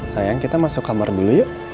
sayang kita masuk kamar dulu yuk